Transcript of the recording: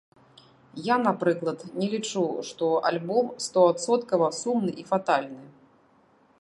Я, напрыклад, не лічу, што альбом стоадсоткава сумны і фатальны.